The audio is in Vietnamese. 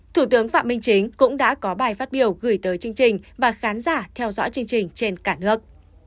thủ tướng phạm minh chính cũng đã có bài phát biểu gửi tới chương trình và khán giả theo dõi chương trình trên cả nước